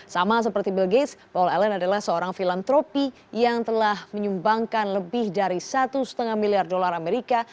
sama seperti bill gates paul ellen adalah seorang filantropi yang telah menyumbangkan lebih dari satu lima miliar dolar amerika